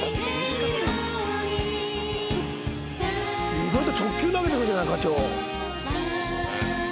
意外と直球投げてくるじゃない課長。